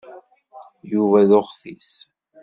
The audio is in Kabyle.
Yuba d uɣtis.